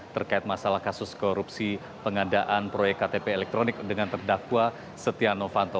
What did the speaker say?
terkait masalah kasus korupsi pengadaan proyek ktp elektronik dengan terdakwa setia novanto